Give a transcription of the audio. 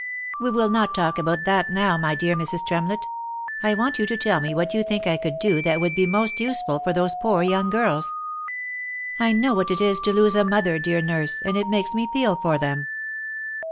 " We will not talk about that now, my dear Mrs. Tremlett, I want you to tell me what you think I could do that would be most useful for those poor young girls. I know what it is to lose a mother, dear nurse, and it makes me feel for them."